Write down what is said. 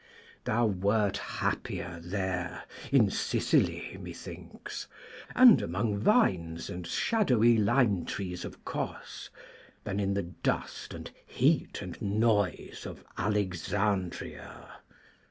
Thou wert happier there, in Sicily, methinks, and among vines and shadowy lime trees of Cos, than in the dust, and heat, and noise of Alexandria.